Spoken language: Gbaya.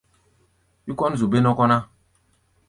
Wí kɔ́n zu bé-nɔ́kɔ́ ná.